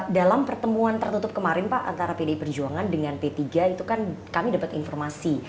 dalam pertemuan tertutup kemarin pak antara pdi perjuangan dengan p tiga itu kan kami dapat informasi